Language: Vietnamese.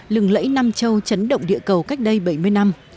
lẫy nam châu chấn động địa cầu cách đây bảy mươi năm